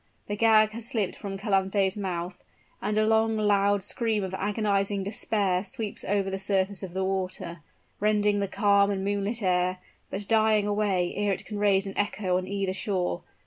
The gag has slipped from Calanthe's mouth; and a long loud scream of agonizing despair sweeps over the surface of the water rending the calm and moonlit air but dying away ere it can raise an echo on either shore.